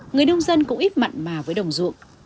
người nông dân cũng ít mặn mà với đồng ruộng